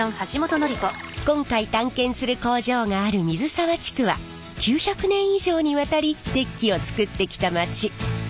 今回探検する工場がある水沢地区は９００年以上にわたり鉄器を作ってきた町。